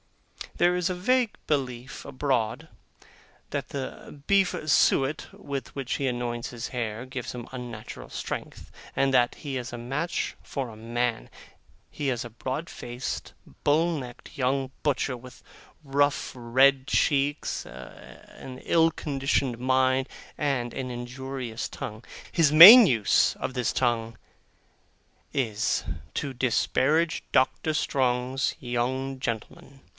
There is a vague belief abroad, that the beef suet with which he anoints his hair gives him unnatural strength, and that he is a match for a man. He is a broad faced, bull necked, young butcher, with rough red cheeks, an ill conditioned mind, and an injurious tongue. His main use of this tongue, is, to disparage Doctor Strong's young gentlemen.